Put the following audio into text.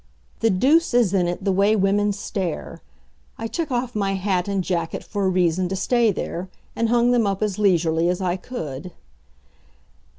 The deuce is in it the way women stare. I took off my hat and jacket for a reason to stay there, and hung them up as leisurely as I could.